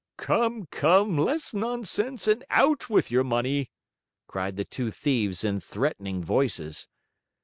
"Come, come, less nonsense, and out with your money!" cried the two thieves in threatening voices.